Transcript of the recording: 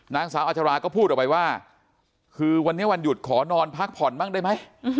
นางสาวอัชราก็พูดออกไปว่าคือวันนี้วันหยุดขอนอนพักผ่อนบ้างได้ไหม